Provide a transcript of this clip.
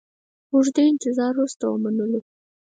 اوږده انتظار وروسته ومنلو.